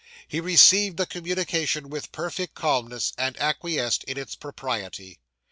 He received the communication with perfect calmness, and acquiesced in its propriety.